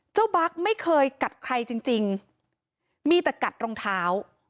บั๊กไม่เคยกัดใครจริงจริงมีแต่กัดรองเท้า